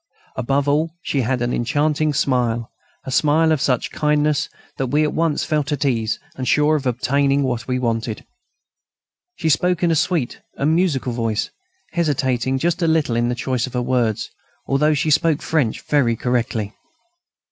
Above all, she had an enchanting smile, a smile of such kindness that we at once felt at ease and sure of obtaining what we wanted. She spoke in a sweet and musical voice, hesitating just a little in her choice of words, although she spoke French very correctly.